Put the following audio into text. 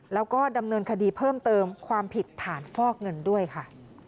แล้วก็ดำเนินคดีเพิ่มเติมความผิดฐานฟอกเงินด้วยค่ะ